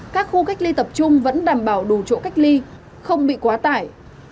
các khu cách ly tập trung vẫn đảm bảo đủ chỗ cách ly không bị quá tải